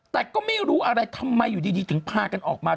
แต่ก็ไม่รู้อะไรทำไมอยู่ดีถึงพากันออกมา